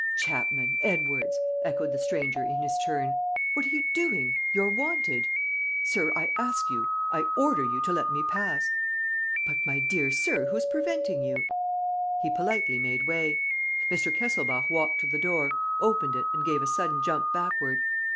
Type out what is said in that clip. "Chapman! Edwards!" echoed the stranger, in his turn. "What are you doing? You're wanted!" "Sir, I ask you, I order you to let me pass." "But, my dear sir, who's preventing you?" He politely made way. Mr. Kesselbach walked to the door, opened it and gave a sudden jump backward.